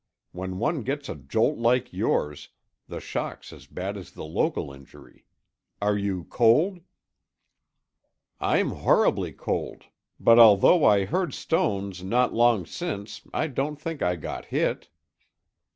When one gets a jolt like yours the shock's as bad as the local injury. Are you cold?" "I'm horribly cold, but although I heard stones not long since I don't think I got hit."